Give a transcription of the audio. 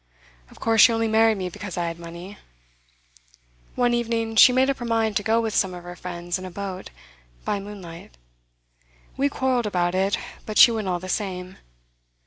Of course she only married me because I had money. One evening she made up her mind to go with some of her friends in a boat, by moonlight. We quarrelled about it, but she went all the same.